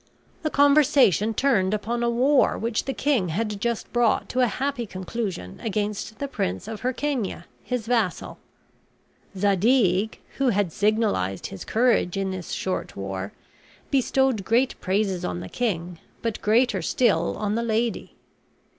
The conversation turned upon a war which the king had just brought to a happy conclusion against the prince of Hircania, his vassal. Zadig, who had signalized his courage in this short war, bestowed great praises on the king, but greater still on the lady.